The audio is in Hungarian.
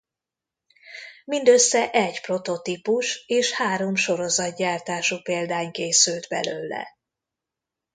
Mindössze egy prototípus és három sorozatgyártású példány készült belőle.